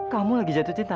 kamu lagi jatuh cinta